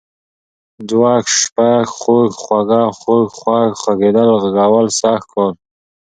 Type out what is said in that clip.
ځوږ، شپږ، خوَږ، خُوږه ، خوږ، خوږ ، غږېدل، غږول، سږ کال